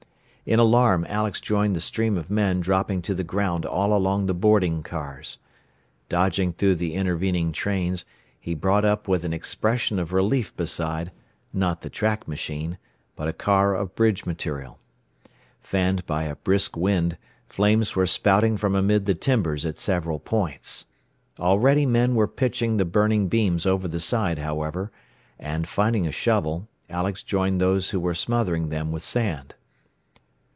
In alarm Alex joined the stream of men dropping to the ground all along the boarding cars. Dodging through the intervening trains, he brought up with an expression of relief beside, not the track machine, but a car of bridge material. Fanned by a brisk wind, flames were spouting from amid the timbers at several points. Already men were pitching the burning beams over the side, however; and finding a shovel, Alex joined those who were smothering them with sand.